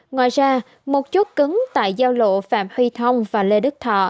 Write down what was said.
ngoài ra một chút cứng tại giao lộ phạm huy thông và lê đức thọ